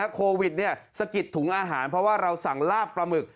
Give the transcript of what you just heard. โควิดสะกิดถุงอาหารเพราะว่าเราสั่งลาบปลาหมึก